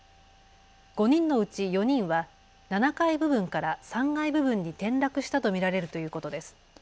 ５人のうち４人は７階部分から３階部分に転落したと見られるということです。